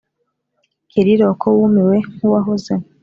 kiriro ko wumiwe nk’uwahoze,